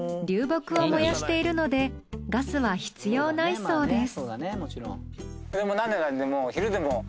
流木を燃やしているのでガスは必要ないそうです。